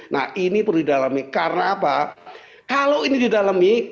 nah ini perlu didalami